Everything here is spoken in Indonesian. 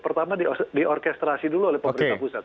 pertama diorkestrasi dulu oleh pemerintah pusat